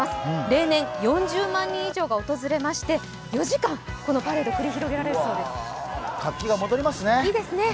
例年４０万人以上が訪れまして、４時間、このパレード繰り広げられるそうです。